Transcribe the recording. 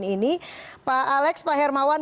ini pak alex pak hermawan